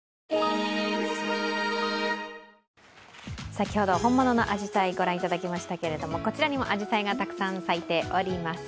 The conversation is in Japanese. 先ほど本物のあじさいを御覧いただきましたけれども、こちらにも、あじさいがたくさん咲いております。